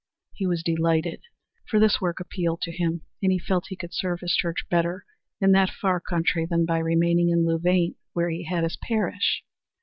He was delighted, for this work appealed to him and he felt that he could serve his Church better in that far country than by remaining in Louvain where he had his parish.